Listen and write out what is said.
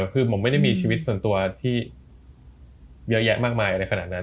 คือผมไม่ได้มีชีวิตส่วนตัวที่เยอะแยะมากมายอะไรขนาดนั้น